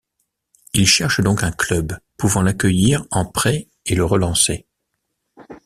Il cherche donc un club pouvant l’accueillir en prêt et le relancer.